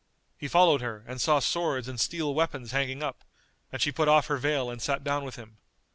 He followed her and saw swords and steel weapons hanging up; and she put off her veil and sat down with him.